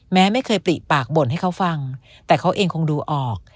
แม้ไม่เคยปลิปากบ่นให้เขาฟังแต่เขาเองคงดูออก